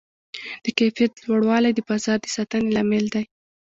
د کیفیت لوړوالی د بازار د ساتنې لامل دی.